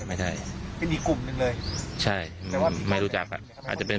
พวกมันต้องกินกันพี่